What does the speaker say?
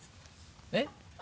えっ？